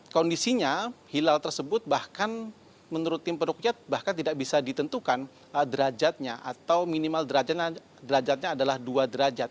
kondisinya hilal tersebut bahkan menurut tim perukyat bahkan tidak bisa ditentukan derajatnya atau minimal derajatnya adalah dua derajat